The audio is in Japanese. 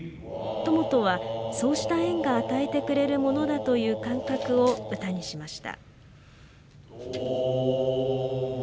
友とは、そうした縁が与えてくれるものだという感覚を歌にしました。